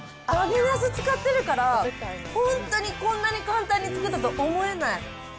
揚げなす使ってるから、本当に、こんなに簡単に作ったと思えない。